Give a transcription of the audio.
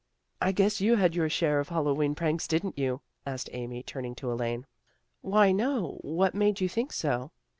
" I guess you had your share of Hallowe'en pranks, didn't you? " asked Amy, turning to Elaine. " Why, no. What made you think so?